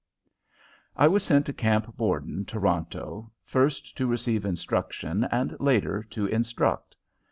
I was sent to Camp Borden, Toronto, first to receive instruction and later to instruct.